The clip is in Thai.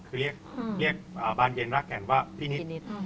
คือเรียกบานเย็นรากแก่นว่าพี่นิด